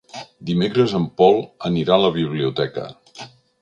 Dimecres en Pol anirà a la biblioteca.